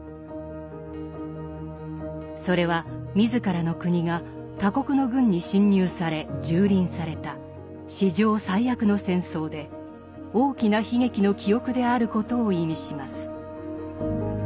それは自らの国が他国の軍に侵入され蹂躙された史上最悪の戦争で大きな悲劇の記憶であることを意味します。